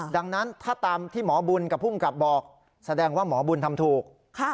ดังนั้นถ้าตามที่หมอบุญกับภูมิกับบอกแสดงว่าหมอบุญทำถูก